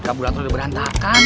kabulator udah berantakan